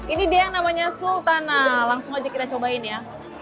ini dia yang namanya sultana langsung aja kita cobain ya